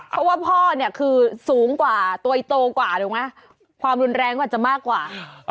เพราะว่าพ่อน่ะคือสูงกว่าตัวโตกว่าความรุนแรงกว่าจะมากกว่า